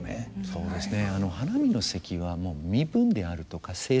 そうですね。